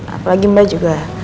apalagi mbak juga